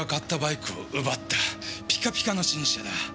ピカピカの新車だ。